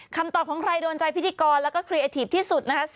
คำตอบของใครโดนใจพิธีกรแล้วก็ครีเอทีฟที่สุดนะคะ